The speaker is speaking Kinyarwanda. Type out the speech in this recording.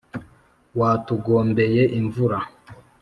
watugombeye imvura